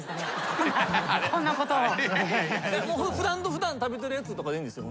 普段食べてるやつとかでいいんですよ